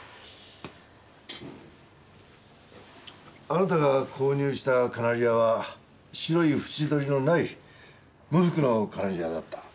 あなたが購入したカナリアは白い縁取りのない無覆のカナリアだった。